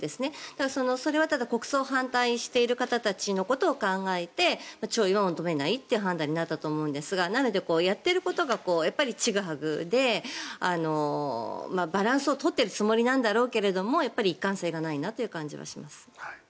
ただ、それは国葬反対している方たちのことを考えて弔意は求めないという判断になったと思うんですがなので、やっていることがやっぱりちぐはぐでバランスを取っているつもりなんだろうけれどもやっぱり一貫性がないんだろうなという気がします。